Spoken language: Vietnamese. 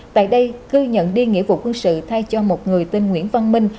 tại đây cư nhận đi nghĩa vụ quân sự thay cho một người tên nguyễn văn minh